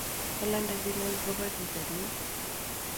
Kalanda kirwakik koba bitat ni